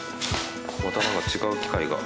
またなんか違う機械が。